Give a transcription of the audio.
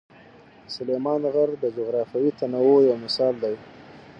سلیمان غر د جغرافیوي تنوع یو مثال دی.